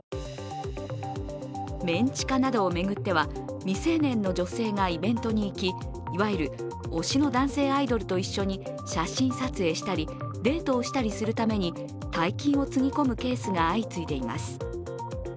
メン地下などを巡っては、未成年の女性がイベントに行き、いわゆる推しの男性アイドルと一緒に写真撮影したりデートをしたりするために大金をつぎ込むケースが相次いでいます。